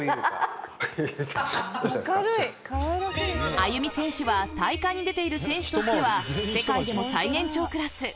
あゆみ選手は大会に出ている選手としては世界でも最年長クラス。